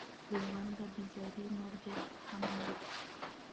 له ژونده بېزاري نور هېڅ هم نه.